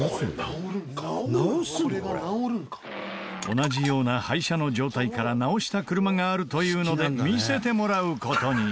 同じような廃車の状態から直した車があるというので見せてもらう事に。